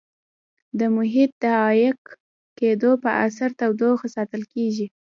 د محیط د عایق کېدو په اثر تودوخه ساتل کیږي.